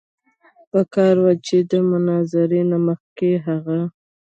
پکار وه چې د مناظرې نه مخکښې هغه